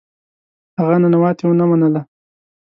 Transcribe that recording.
هغه ننواتې ونه منله.